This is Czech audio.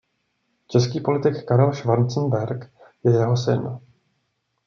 Český politik Karel Schwarzenberg je jeho syn.